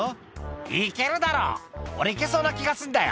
「行けるだろ俺行けそうな気がすんだよ」